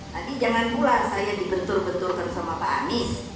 nanti jangan pula saya dibentur benturkan sama pak anies